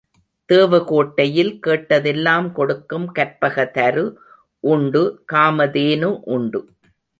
தேவகோட்டையில், கேட்டதெல்லாம் கொடுக்கும் கற்பகத்தரு உண்டு காமதேனு உண்டு.